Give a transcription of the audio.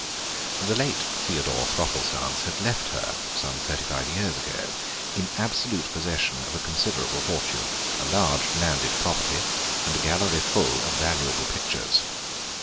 The late Theodore Thropplestance had left her, some thirty five years ago, in absolute possession of a considerable fortune, a large landed property, and a gallery full of valuable pictures.